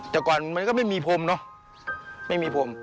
จากก่อนมันก็ไม่มีผมเนอะไม่มีผม